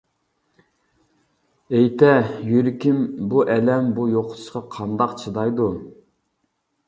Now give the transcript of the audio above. ئېيتە، يۈرىكىم بۇ ئەلەم، بۇ يوقىتىشقا قانداق چىدايدۇ!